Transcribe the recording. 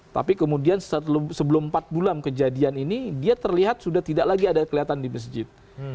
tapi kemudian sebelum empat bulan kejadian ini dia terlihat sudah tidak lagi ada kelihatan di masjid